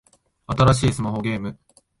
新しいスマホゲーム